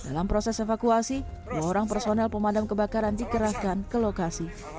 dalam proses evakuasi dua orang personel pemadam kebakaran dikerahkan ke lokasi